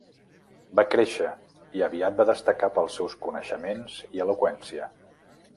Va créixer i aviat va destacar pels seus coneixements i eloqüència.